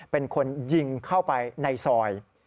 เป็นคนยิงเข้าไปในซอย